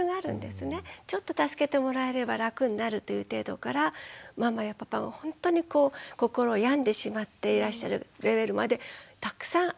ちょっと助けてもらえれば楽になるという程度からママやパパがほんとにこう心を病んでしまっていらっしゃるレベルまでたくさんあるんです。